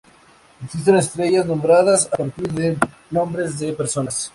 Existen estrellas nombradas a partir de nombres de personas.